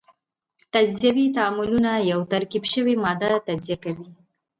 تجزیوي تعاملونه یوه ترکیب شوې ماده تجزیه کوي.